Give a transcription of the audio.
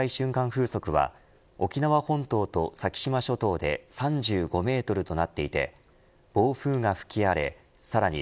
風速は沖縄本島と先島諸島で３５メートルとなっていて暴風が吹き荒れさらに